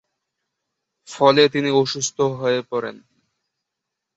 ফলে তিনি অসুস্থ হয়ে পড়েন।